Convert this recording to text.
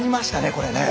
これね。